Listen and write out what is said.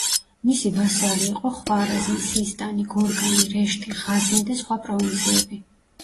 მისი ვასალი იყო ხვარაზმი, სისტანი, გორგანი, რეშთი, ღაზნი და სხვა პროვინციები.